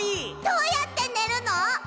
どうやってねるの？